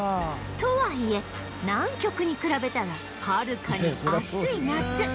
とはいえ南極に比べたらはるかに暑い夏